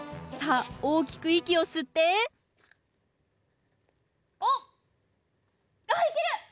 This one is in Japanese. さあ大きく息を吸ってあっいける！